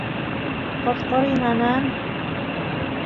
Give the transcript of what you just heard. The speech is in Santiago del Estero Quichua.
qotqoriy nanan